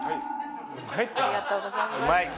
ありがとうございます。